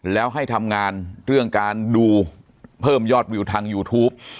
แล้วให้ทำงานเรื่องการดูเพิ่มยอดวิวทางยูทูป